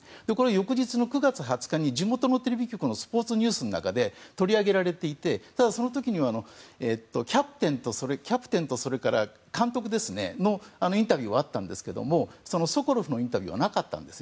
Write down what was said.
翌日の９月２０日に地元のテレビ局のスポーツニュースの中で取り上げられていてただその時にはキャプテンとそれから監督のインタビューはあったんですけどもソコロフのインタビューはなかったんです。